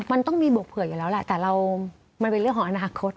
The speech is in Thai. มันต้องมีบวกเผื่ออยู่แล้วแหละแต่เรามันเป็นเรื่องของอนาคต